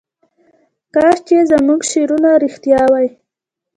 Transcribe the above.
کاش چې زموږ شعرونه رښتیا وای.